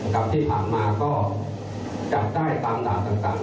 ที่ผ่านมาก็จับได้ตามด่านต่าง